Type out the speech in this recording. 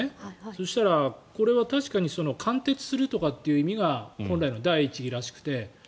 そしたら、これは確かに貫徹するとかって意味が本来の第一義らしくて。